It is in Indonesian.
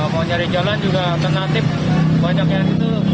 mau nyari jalan juga penatip banyaknya gitu